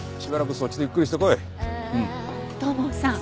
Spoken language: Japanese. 土門さん